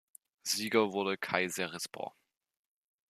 Sieger wurde Kayserispor.